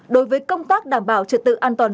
đối với công tác đảm bảo trật tự an toàn